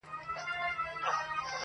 د انارګل او نارنج ګل او ګل غونډیو راځي،